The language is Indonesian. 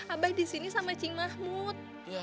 abah disini sama cik mahmud